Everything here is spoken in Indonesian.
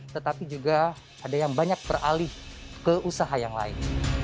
tetapi juga ada yang banyak beralih ke usaha yang lain